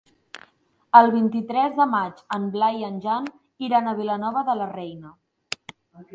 El vint-i-tres de maig en Blai i en Jan iran a Vilanova de la Reina.